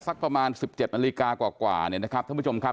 สักประมาณสิบเจ็ดนาฬิกากว่านะครับท่านผู้ชมครับ